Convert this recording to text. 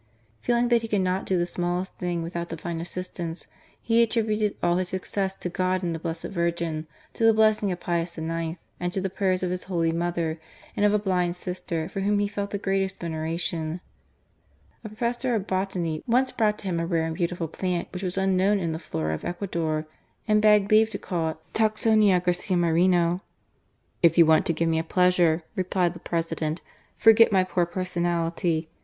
Feeling that he could not do the smallest thing without Divine assistance, he attributed all his success to God and the Blessed Virgin, to the blessing of Pius IX., and to the prayers of his holy mother and of a blind sister for whom he felt the greatest veneration. A professor of botany once brought to him a rare and beautiful plant which was unknown in the flora of Ecuador, and begged leave R GARCM MORENO. to call it Tacsonia Garcia Mnreno. " If you want to give me a pleasure," replied the President, " forget my poor personality.